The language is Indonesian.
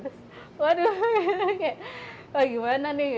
terus waduh kayak wah gimana nih